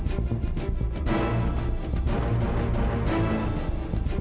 gimana memisahkan kalian